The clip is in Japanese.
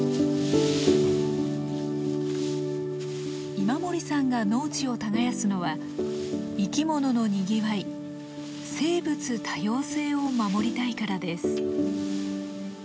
今森さんが農地を耕すのは生き物のにぎわい生物多様性を守りたいからです。